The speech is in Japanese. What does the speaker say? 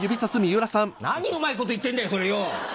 何うまいこと言ってんだそれよ。